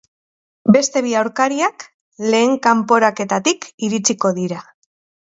Beste bi aurkariak lehen kanporaketatik iritsiko dira.